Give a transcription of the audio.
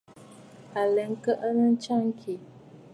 Aləə kaʼanə ntsya ŋkì.